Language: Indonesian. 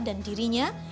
dan dirinya juga tidak bisa